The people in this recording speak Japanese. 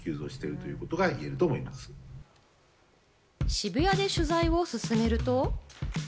渋谷で取材を進めると。